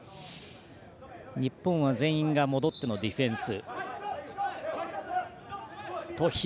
日本は全員が戻ってディフェンス。